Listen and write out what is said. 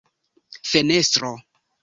fenestro